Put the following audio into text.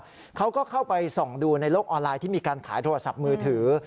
เขาก็เข้าไปส่องดูในโลกออนไลน์ที่มีการขายโทรศัพท์มือถือ